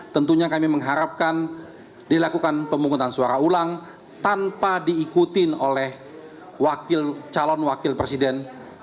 tentunya kami mengharapkan dilakukan pemungutan suara ulang tanpa diikutin oleh calon wakil presiden